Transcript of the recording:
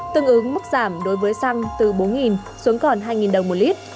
tương ứng mức giảm đối với xăng từ bốn xuống còn hai đồng một lít